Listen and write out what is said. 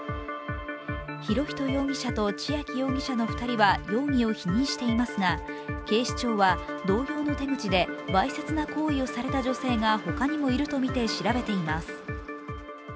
博仁容疑者と千秋容疑者の２人は容疑を否認していますが、警視庁は同様の手口でわいせつな行為をされた女性がほかにもいるとみて調べています。